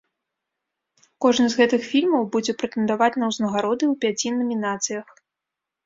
Кожны з гэтых фільмаў будзе прэтэндаваць на ўзнагароды ў пяці намінацыях.